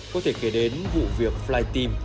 có thể kể đến vụ việc flyteam